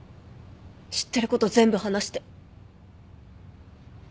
知ってること全部話して。